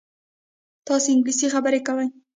تاسو انګلیسي خبرې کوئ؟